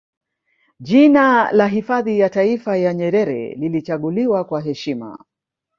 Jina la Hifadhi ya Taifa ya Nyerere lilichaguliwa kwa heshima